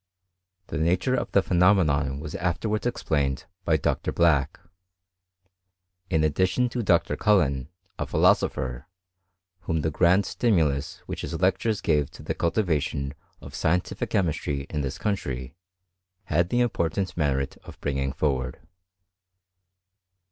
The nature of the phe nomenon was afterwards explained by Dr. Black ; in addition to Dr. Cullen, a philosopher, whom the grand stimulus which his lectures gave to the cultivation of scientific chemistry in this country, had the important merit of bringing forward.